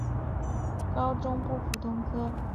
现在设有高中部普通科。